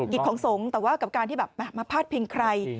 หลีกของสงฆ์แต่กับการที่มาพลาดเพลงใคร